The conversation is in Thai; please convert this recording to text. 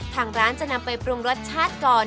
ทางร้านจะนำไปปรุงรสชาติก่อน